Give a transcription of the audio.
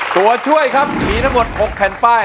ตัวช่วยครับมีทั้งหมด๖แผ่นป้าย